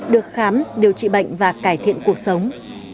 được khám điều trị bệnh và cải thiện cuộc sống